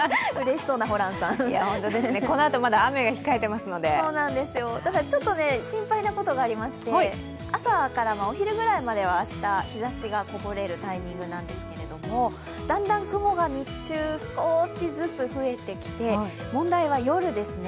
このあと、雨が控えていますのでただ、ちょっと心配なことがありまして、朝からお昼ぐらいまでは明日、日ざしがこぼれるタイミングなんですけれども、だんだん雲が日中少しずつ増えてきて、問題は夜ですね。